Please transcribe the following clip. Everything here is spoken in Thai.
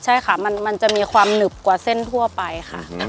ใช่ค่ะมันจะมีความหนึบกว่าเส้นทั่วไปค่ะ